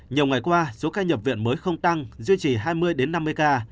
nhiều ngày qua số ca nhập viện mới không tăng duy trì hai mươi năm mươi ca